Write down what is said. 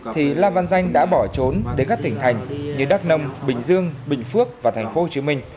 thì la văn danh đã bỏ trốn đến các tỉnh thành như đắk nông bình dương bình phước và tp hcm